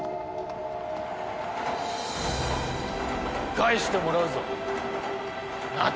返してもらうぞ夏美を！